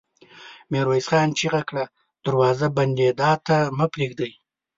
ميرويس خان چيغه کړه! دروازه بندېدا ته مه پرېږدئ!